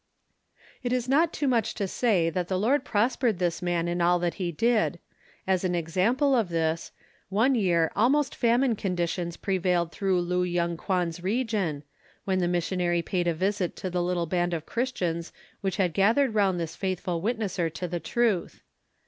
It is not too much to say that the Lord prospered this man in all that he did. As an example of this:—One year almost famine conditions prevailed through Lu Yung Kwan's region, when the missionary paid a visit to the little band of Christians which had gathered around this faithful witnesser to the Truth.